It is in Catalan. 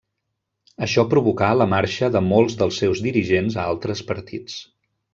Això provocà la marxa de molts dels seus dirigents a altres partits.